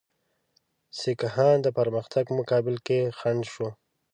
سیکهان د پرمختګ په مقابل کې خنډ شو.